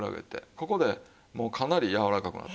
ここでもうかなりやわらかくなってますよね。